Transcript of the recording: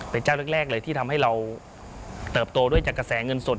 เป็นเจ้าแรกเลยที่ทำให้เราเติบโตด้วยจากกระแสเงินสด